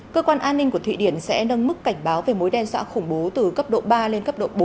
cơ quan an ninh của thụy điển sẽ nâng mức cảnh báo về mối đe dọa khủng bố từ cấp độ ba lên cấp độ bốn